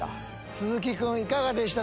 鈴木君いかがでした？